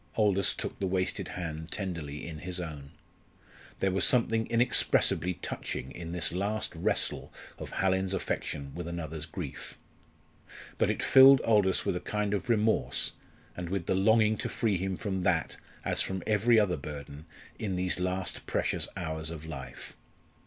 Aldous took the wasted hand tenderly in his own. There was something inexpressibly touching in this last wrestle of Hallin's affection with another's grief. But it filled Aldous with a kind of remorse, and with the longing to free him from that, as from every other burden, in these last precious hours of life.